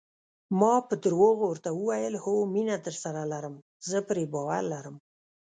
ما په درواغو ورته وویل: هو، مینه درسره لرم، زه پرې باور لرم.